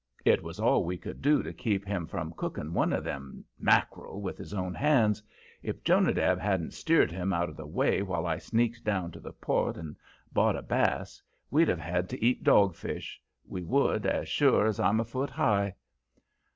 It was all we could do to keep him from cooking one of them "mack'rel" with his own hands. If Jonadab hadn't steered him out of the way while I sneaked down to the Port and bought a bass, we'd have had to eat dogfish we would, as sure as I'm a foot high.